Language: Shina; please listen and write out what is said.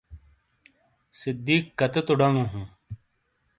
صدیق کَتیتو ڈانگو ہُوں۔